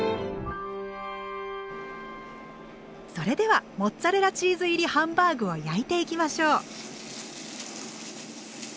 それではモッツァレラチーズ入りハンバーグを焼いていきましょう。